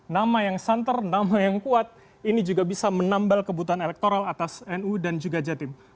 nama yang santer nama yang kuat ini juga bisa menambal kebutuhan elektoral atas nu dan juga jatim